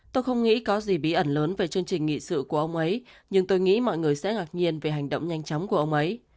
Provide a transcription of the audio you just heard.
tôi không nghĩ có gì bí ẩn lớn về chương trình nghị sự của ông ấy nhưng tôi nghĩ mọi người sẽ ngạc nhiên về hành động nhanh chóng của ông ấy